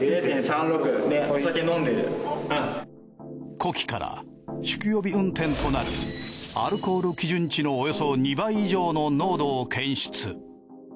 呼気から酒気帯び運転となるアルコール基準値のおよそ２倍以上の濃度を検出。